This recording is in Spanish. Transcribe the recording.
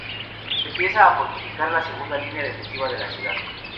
Se empieza a fortificar la segunda línea defensiva de la ciudad.